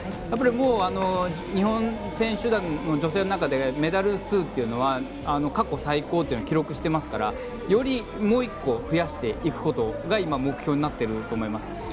やっぱり日本選手団の女性の中でメダル数というのは過去最高を記録していますからよりもう１個、増やしていくことが今、目標になっていると思います。